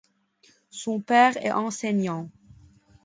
Son père est enseignant.